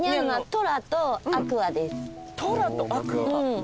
トラとアクア？へぇ。